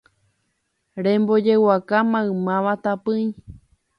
Rembojeguaka maymáva tapỹi